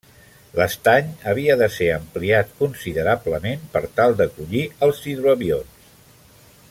L'estany havia de ser ampliat considerablement per tal d'acollir els hidroavions.